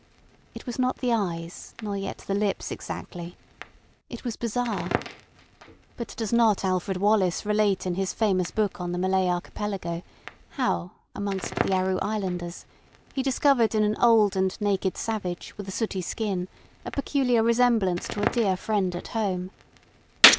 It was not the eyes nor yet the lips exactly. It was bizarre. But does not Alfred Wallace relate in his famous book on the Malay Archipelago how, amongst the Aru Islanders, he discovered in an old and naked savage with a sooty skin a peculiar resemblance to a dear friend at home?